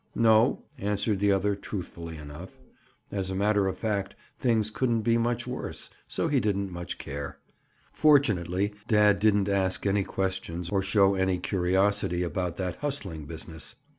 "No," answered the other truthfully enough. As a matter of fact things couldn't be much worse, so he didn't much care. Fortunately, dad didn't ask any questions or show any curiosity about that "hustling" business.